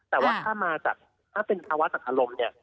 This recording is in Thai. แต่ว่าถ้ามาจากถ้าเป็นภาวะจากอารมณ์เนี่ย